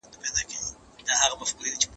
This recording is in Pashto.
زه پرون کالي وچوم وم،